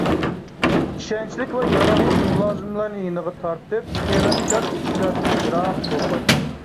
ئىشەنچلىك ۋە ياراملىق مۇلازىملارنى يېنىغا تارتىپ، خىيانەتكار كىشىلەردىن يىراق بولغاي.